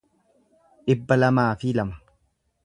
dhibba lamaa fi lama